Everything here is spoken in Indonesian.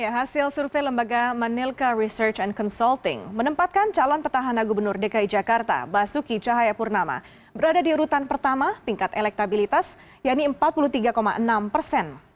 hasil survei lembaga manilka research and consulting menempatkan calon petahana gubernur dki jakarta basuki cahayapurnama berada di urutan pertama tingkat elektabilitas yaitu empat puluh tiga enam persen